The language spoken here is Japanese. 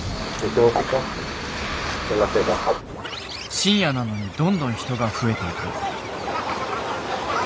深夜なのにどんどん人が増えていく。